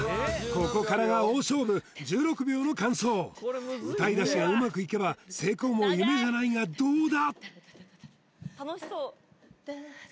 ここからが大勝負１６秒の間奏歌い出しがうまくいけば成功も夢じゃないがどうだ？